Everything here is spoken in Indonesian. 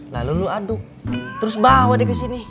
lalu lo aduk terus bawa deh kesini